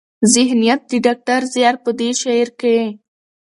ذهنيت د ډاکټر زيار په دې شعر کې